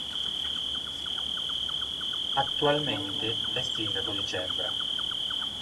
Attualmente è sindaco di Cembra.